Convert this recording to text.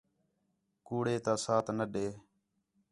کُوڑے تا ساتھ نہ ݙے